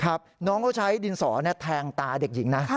น้องเขาใช้ดินสอแทงตาเด็กหญิงนะ